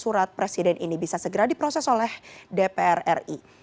surat presiden ini bisa segera diproses oleh dpr ri